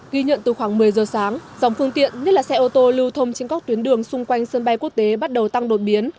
ghi nhận từ khoảng một mươi giờ sáng dòng phương tiện nhất là xe ô tô lưu thông trên các tuyến đường xung quanh sân bay quốc tế bắt đầu tăng đột biến